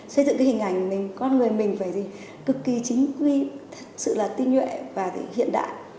xây dựng hình ảnh con người mình phải cực kỳ chính quy thật sự tinh nguyện và hiện đại